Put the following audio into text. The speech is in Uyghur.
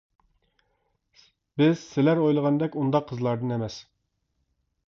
-بىز سىلەر ئويلىغاندەك ئۇنداق قىزلاردىن ئەمەس.